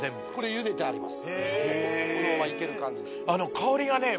ゆでてあります。